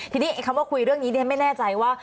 ทีนี้คำว่าคุยเรื่องนี้ไม่แน่ใจว่า